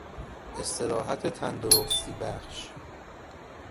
استراحت تندرستیبخش